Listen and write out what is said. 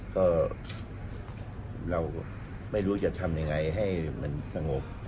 ก็เราไม่รู้จะทำยังไงให้มันสงบ